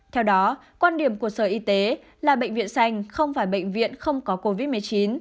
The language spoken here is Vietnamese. theo đó quan điểm của sở y tế là bệnh viện xanh không phải bệnh viện không có covid một mươi chín